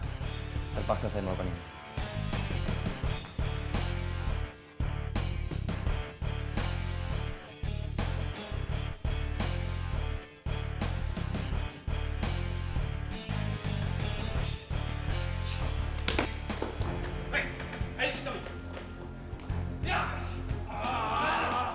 terpaksa saya melakukan ini